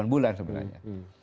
delapan bulan sebenarnya